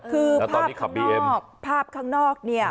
คือภาพข้างนอกภาพข้างนอกเนี่ย